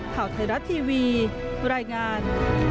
ข่าวไทยรัฐทีวีรายงาน